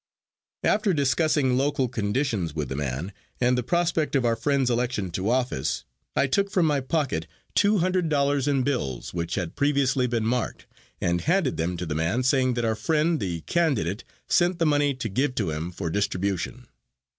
After discussing local conditions with the man, and the prospect of our friend's election to office, I took from my pocket two hundred dollars in bills which had previously been marked, and handed them to the man saying that our friend the candidate sent the money to give to him for distribution.